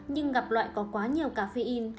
nhưng gặp loại có quá nhiều cà phê in